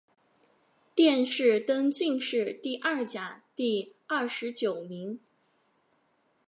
殿试登进士第二甲第二十九名。